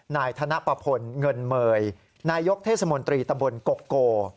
นายธนปะพลเงินเมยนายกเทศมนตรีตำบลกกโก